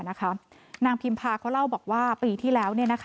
นางพิมพาเขาเล่าบอกว่าปีที่แล้ว